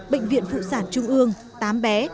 bệnh viện phụ sản trung ương tám bé